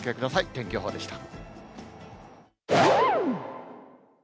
天気予報でした。